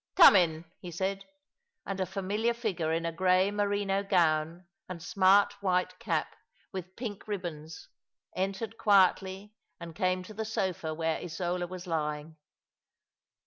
"Come in," he said; and a familiar figure in a grey merino gown and smart white cap with pink ribbons entered quietly and came to the sofa where Isola was lying.